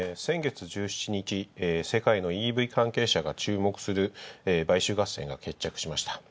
世界のＥＶ関係者が注目する買収合戦が注目しました。